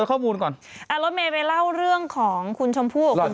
คุณผู้หญิงผลงานไปนะ